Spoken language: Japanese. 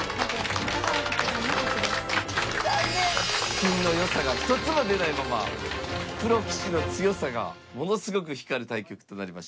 金のよさが一つも出ないままプロ棋士の強さがものすごく光る対局となりました。